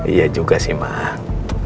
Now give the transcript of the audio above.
iya juga sih mak